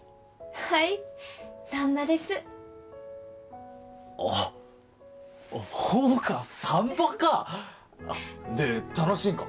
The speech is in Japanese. はい産婆ですああほうか産婆かで楽しいんか？